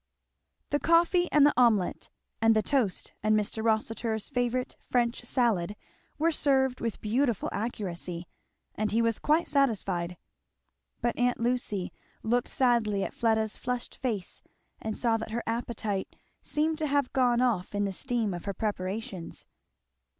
The coffee and the omelette and the toast and Mr. Rossitur's favourite French salad, were served with beautiful accuracy; and he was quite satisfied. But aunt Lucy looked sadly at Fleda's flushed face and saw that her appetite seemed to have gone off in the steam of her preparations.